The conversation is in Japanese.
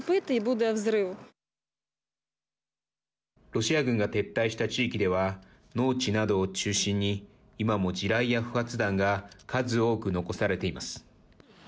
ロシア軍が撤退した地域では農地などを中心に今も地雷や不発弾が数多く残されています。